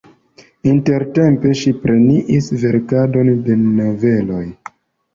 Intertempe ŝi prenis verkadon de noveloj.